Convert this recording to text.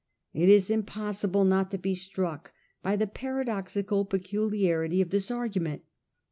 It is impossible not to be struck by the paradoxical peculiarity of this argument.